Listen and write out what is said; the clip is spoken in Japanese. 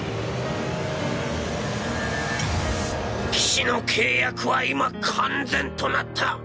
騎士の契約は今完全となった。